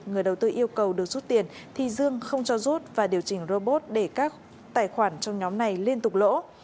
người đầu tư yêu cầu được rút tiền thì dương không cho rút và điều chỉnh robot để các tài khoản trong nhóm này liên tục lỗ